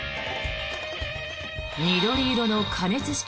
緑色の加熱式